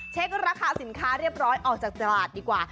ราคาสินค้าเรียบร้อยออกจากตลาดดีกว่า